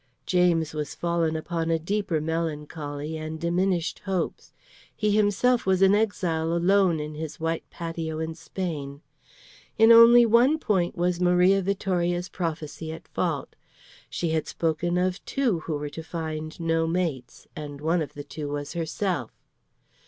James was fallen upon a deeper melancholy, and diminished hopes. He himself was an exile alone in his white patio in Spain. In only one point was Maria Vittoria's prophecy at fault. She had spoken of two who were to find no mates, and one of the two was herself.